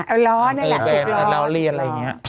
เอาล้อเนี่ยล่ะเราเรียนอะไรอย่างเงี้ย